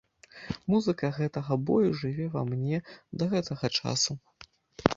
Музыка гэтага бою жыве ва мне да гэтага часу!